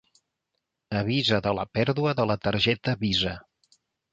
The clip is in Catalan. Avisa de la pèrdua de la targeta visa.